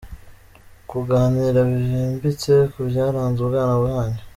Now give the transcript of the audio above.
Kuganira byimbitse ku byaranze ubwana bwanyu .